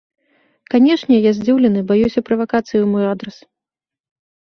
Канешне, я здзіўлены, баюся правакацый у мой адрас.